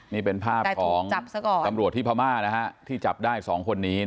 นี่เป็นภาพของตำรวจที่พม่านะฮะที่จับได้๒คนนี้